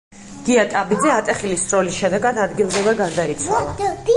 გია ტაბიძე ატეხილი სროლის შედეგად ადგილზევე გარდაიცვალა.